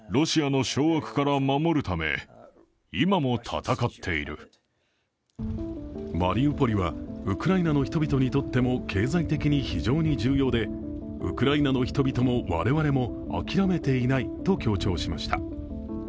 戦況についてアメリカ国防総省のカービー報道官はマリウポリはウクライナの人々にとっても経済的に非常に重要でウクライナの人々も我々も諦めていないと強調していました。